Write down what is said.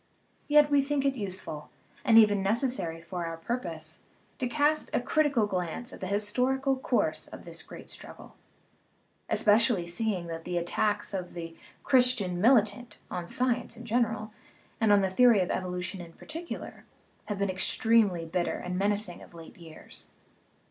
Yet we think it useful, and even necessary for our purpose, 39 THE RIDDLE OF THE UNIVERSE to cast a critical glance at the historical course of this great struggle; especially seeing that the attacks of the "Church militant" on science in general, and on the theory of evolution in particular, have become ex tremely bitter and menacing of late years.